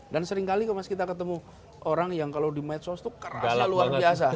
dan seringkali kalau kita ketemu orang yang kalau di medsos itu kerasa luar biasa